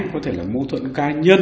có thể là mô thuận cá nhân